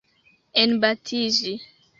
Enbatiĝi.